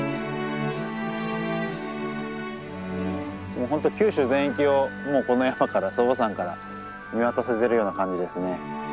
もう本当九州全域をもうこの山から祖母山から見渡せてるような感じですね。